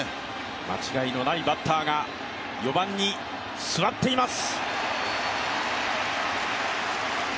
間違いのないバッターが４番に座っています。